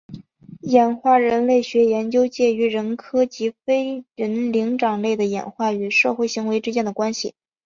演化人类学研究介于人科及非人灵长类的演化与社会行为之间的关系。